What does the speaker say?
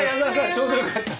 ちょうどよかった。